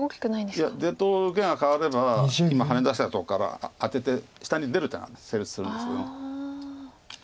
いや出と受けが換われば今ハネ出したとこからアテて下に出る手が成立するんですけども。